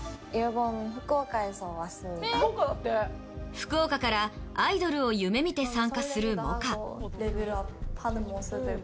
福岡からアイドルを夢見て参加するモカ。